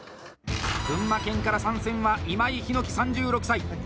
群馬県から参戦は今井陽樹３６歳。